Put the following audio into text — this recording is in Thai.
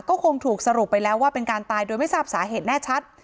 ก็คงถูกสรุปไปแล้วว่าเป็นการตายโดยไม่ทราบสาเหตุแน่ชัด